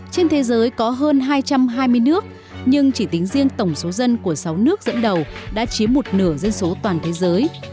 trên thế giới có hơn hai trăm hai mươi nước nhưng chỉ tính riêng tổng số dân của sáu nước dẫn đầu đã chiếm một nửa dân số toàn thế giới